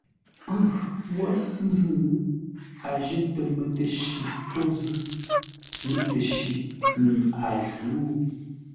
Pʉ wə́ sʉ̂ zʉ́, a jətə mətəshi pô zʉ́, mətəshi mi a jǔ.